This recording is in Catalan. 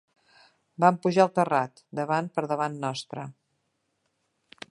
Van pujar al terrat, davant per davant nostre